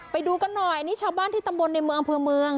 ไปดูกันหน่อยนี่ชาวบ้านที่ตำบลในเมือง